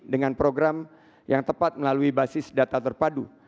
dengan program yang tepat melalui basis data terpadu